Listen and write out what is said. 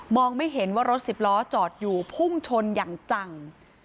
ไม่เห็นว่ารถสิบล้อจอดอยู่พุ่งชนอย่างจัง